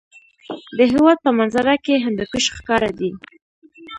د هېواد په منظره کې هندوکش ښکاره دی.